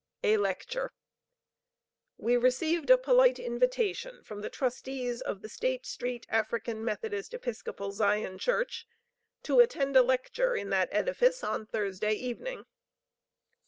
A LECTURE. We received a polite invitation from the trustees of the State street African Methodist Episcopal Zion Church to attend a lecture in that edifice on Thursday evening.